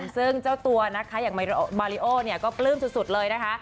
ซึ่งเจ้าตัวนะคะอย่างบาริโอเนี่ยก็ปลื้มสุดเลยนะคะ